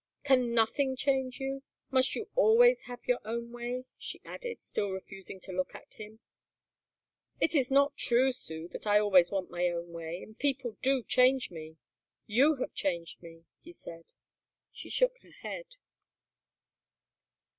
"Can nothing change you? Must you always have your own way?" she added, still refusing to look at him. "It is not true, Sue, that I always want my own way, and people do change me; you have changed me," he said. She shook her head.